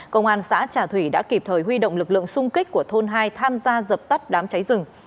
cơ quan xã trà thủy đã kịp thời huy động lực lượng xung kích của thôn hai tham gia dập tắt đám cháy rừng